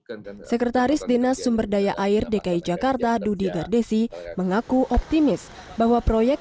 tahun ini sekretaris dinas sumberdaya air dki jakarta dudihardesi mengaku optimis bahwa proyek